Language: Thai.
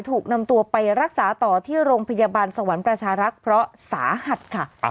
ถูกนำตัวไปรักษาต่อที่โรงพยาบาลสวรรค์ประชารักษ์เพราะสาหัสค่ะ